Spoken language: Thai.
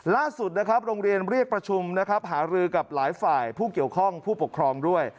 ล่าสุดนะครับโรงเรียนเรียกประชุมนะครับหารือกับหลายฝ่ายผู้เกี่ยวข้องผู้ปกครองด้วย